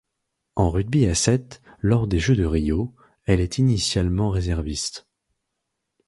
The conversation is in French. En rugby à sept, lors des Jeux de Rio, elle est initialement réserviste.